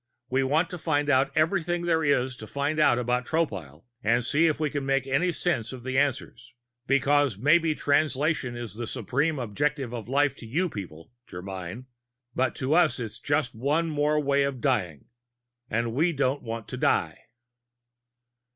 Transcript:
We want to find out everything there is to find out about Tropile and see if we can make any sense of the answers. Because maybe Translation is the supreme objective of life to you people, Germyn, but to us it's just one more way of dying. And we don't want to die."